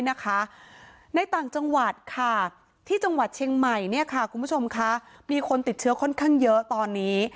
ในต่างจังหวัดค่ะที่จังหวัดเชียงใหม่คุณผู้ชมคะมีคนติดเชื้อค่อนข้างเยอะตอนนี้